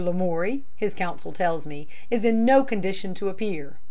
Lamoury, his counsel tells me, is in no condition to appear.